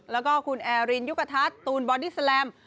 แล้วก็คุณแอรินยุคทัศน์ตูนบอดี้แลม